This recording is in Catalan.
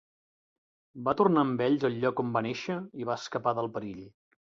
Va tornar amb ells al lloc on va néixer i va escapar del perill.